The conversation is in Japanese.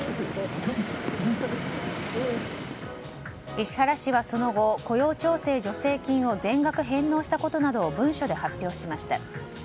石原氏はその後、雇用調整助成金を全額返納したことなどを文書で発表しました。